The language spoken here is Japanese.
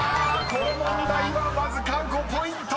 この問題はわずか５ポイント！］